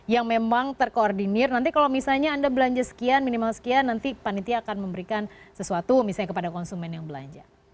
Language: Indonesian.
yang memang terkoordinir nanti kalau misalnya anda belanja sekian minimal sekian nanti panitia akan memberikan sesuatu misalnya kepada konsumen yang belanja